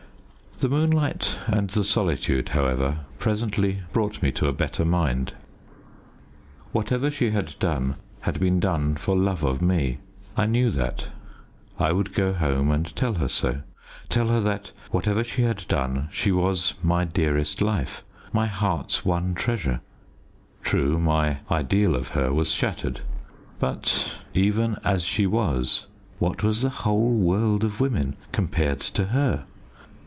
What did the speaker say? The moonlight and the solitude, however, presently brought me to a better mind. Whatever she had done had been done for love of me I knew that. I would go home and tell her so tell her that whatever she had done she was my dearest life, my heart's one treasure. True, my ideal of her was shattered, but, even as she was, what was the whole world of women compared to her?